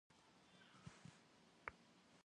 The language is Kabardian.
Dol yi khuerde yodığuejj.